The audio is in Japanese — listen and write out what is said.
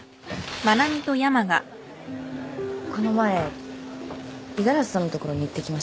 この前五十嵐さんのところに行ってきました。